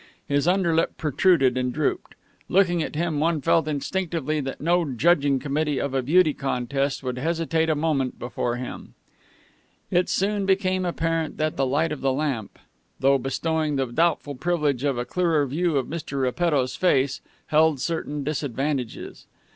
His underlip protruded and drooped. Looking at him, one felt instinctively that no judging committee of a beauty contest would hesitate a moment before him. It soon became apparent that the light of the lamp, though bestowing the doubtful privilege of a clearer view of Mr. Repetto's face, held certain disadvantages.